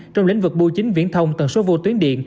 trong lĩnh vực bù chính viễn thông tầng số vô tuyến điện